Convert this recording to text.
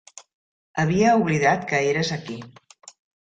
Havia oblidat que eres aquí.